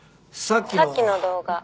「さっきの動画」